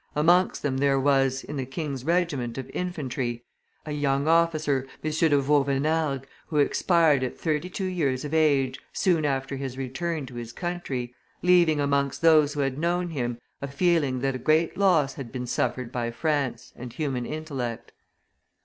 Amongst them there was, in the king's regiment of infantry, a young officer, M. de Vauvenargues, who expired at thirty two years of age, soon after his return to his country, leaving amongst those who had known him a feeling that a great loss had been suffered by France and human intellect.